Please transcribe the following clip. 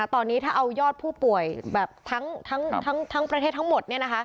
ตอนนี้ถ้าเอายอดผู้ป่วยแบบทั้งประเทศทั้งหมด